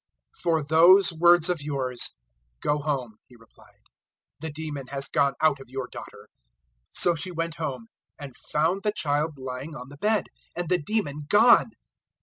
007:029 "For those words of yours, go home," He replied; "the demon has gone out of your daughter." 007:030 So she went home, and found the child lying on the bed, and the demon gone.